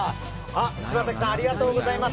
柴崎さん、ありがとうございます。